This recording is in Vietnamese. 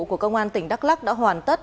của công an tỉnh đắk lắc đã hoàn tất